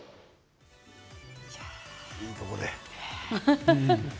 いいところで。